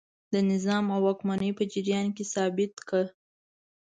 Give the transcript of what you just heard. د نظام او واکمنۍ په جریان کې ثابته کړه.